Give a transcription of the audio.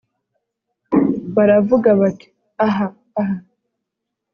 Baravuga bati Ahaa ahaa!